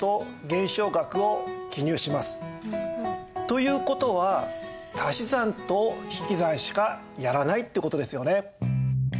という事は足し算と引き算しかやらないって事ですよね。